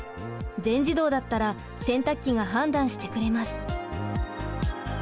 全自動だったら洗濯機が判断してくれます。